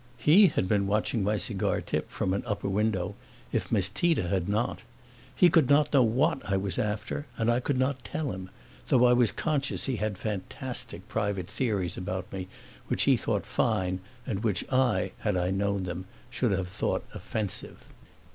HE had been watching my cigar tip from an upper window, if Miss Tita had not; he could not know what I was after and I could not tell him, though I was conscious he had fantastic private theories about me which he thought fine and which I, had I known them, should have thought offensive.